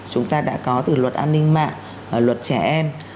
chúng ta đã có từ luật an ninh mạng luật trẻ em